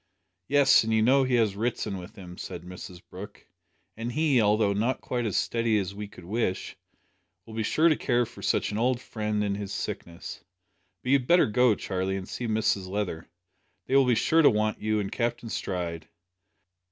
"Yes, and you know he has Ritson with him," said Mrs Brooke; "and he, although not quite as steady as we could wish, will be sure to care for such an old friend in his sickness. But you'd better go, Charlie, and see Mrs Leather. They will be sure to want you and Captain Stride.